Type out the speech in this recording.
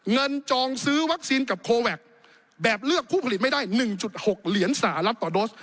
จองซื้อวัคซีนกับโคแวคแบบเลือกผู้ผลิตไม่ได้๑๖เหรียญสหรัฐต่อโดส